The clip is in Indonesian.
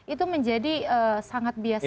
itu menjadi sangat bias sekali